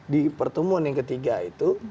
di pertemuan yang ketiga itu